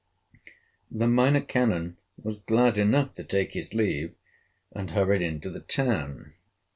The Minor Canon was glad enough to take his leave, and hurried into the town.